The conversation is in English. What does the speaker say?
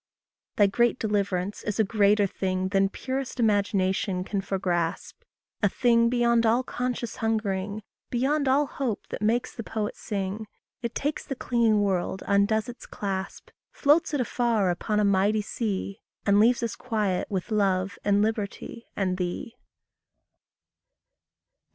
Thy great deliverance is a greater thing Than purest imagination can foregrasp; A thing beyond all conscious hungering, Beyond all hope that makes the poet sing. It takes the clinging world, undoes its clasp, Floats it afar upon a mighty sea, And leaves us quiet with love and liberty and thee.